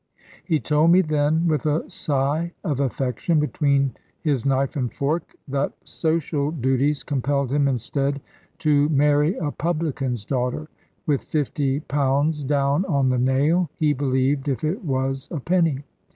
He told me then with a sigh of affection between his knife and fork, that social duties compelled him instead to marry a publican's daughter, with fifty pounds down on the nail, he believed, if it was a penny.